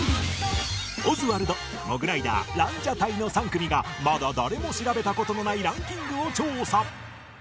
オズワルドモグライダーランジャタイの３組がまだ誰も調べた事のないランキングを調査